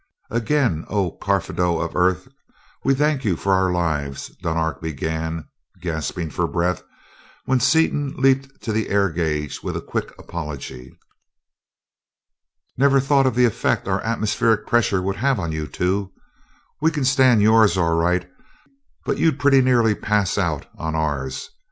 "Again, oh Karfedo of Earth, we thank you for our lives," Dunark began, gasping for breath, when Seaton leaped to the air gauge with a quick apology. "Never thought of the effect our atmospheric pressure would have on you two. We can stand yours all right, but you'd pretty nearly pass out on ours.